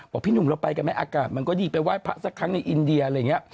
พี่หนุ่มเราไปกันไหมอากาศมันก็ดีไปไหว้พระสักครั้งในอินเดียอะไรอย่างนี้